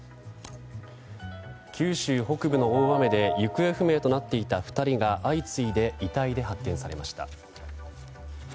九州北部の大雨で行方不明となっていた２人が相次いで遺体で発見されました。